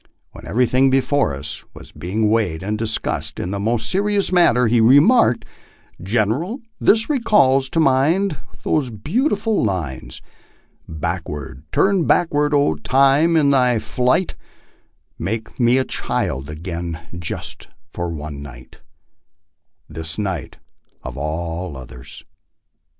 When everything before us was be ing Aveighed and discussed in the most serious manner, he remarked : "Gen eral, this recalls to my mind those beautiful lines : Backward, turn backward, Time, in thy flight, Make me a child again just for one night this night of all others."